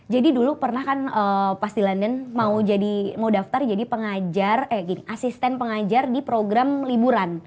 jadi dulu pernah kan pas di london mau daftar jadi asisten pengajar di program liburan